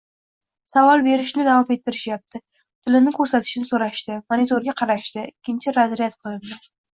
Savol berishni davom ettirishyapti, tilini ko`rsatishni so`rashdi, monitorga qarashdi, ikkinchi razryad qilindi